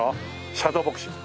シャドーボクシング。